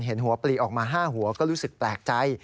เห็นหัวปลีออกมา๕หัวก็รู้สึกแปลกใจ